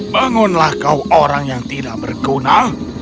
bangunlah kau orang yang tidak berguna